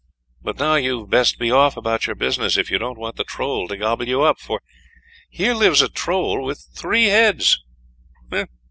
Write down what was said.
But now you'd best be off about your business, if you don't want the Troll to gobble you up; for here lives a Troll with three heads."